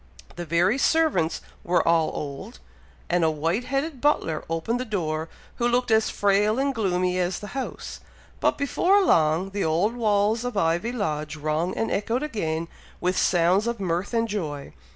The very servants were all old; and a white headed butler opened the door, who looked as frail and gloomy as the house; but before long, the old walls of Ivy Lodge rung and echoed again with sounds of mirth and joy.